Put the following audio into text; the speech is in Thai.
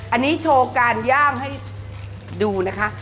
อันนี้โชว์การย่างให้ดูนะคะ